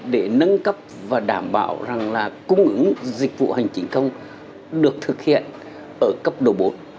để nâng cấp và đảm bảo rằng là cung ứng dịch vụ hành chính công được thực hiện ở cấp độ bốn